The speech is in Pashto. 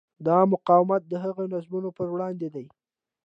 دا مقاومت د هغه نظام پر وړاندې دی.